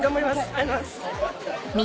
ありがとうございます。